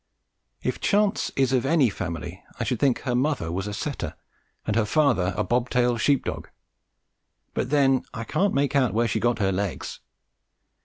If Chance is of any family I should think her mother was a setter and her father a bob tail sheep dog; but, then, I can't make out where she got her legs!